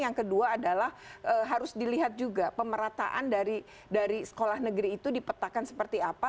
yang kedua adalah harus dilihat juga pemerataan dari sekolah negeri itu dipetakan seperti apa